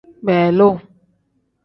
Beeloo.